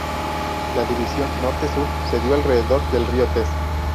La división norte-sur se dio alrededor del río Tees.